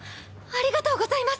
ありがとうございます。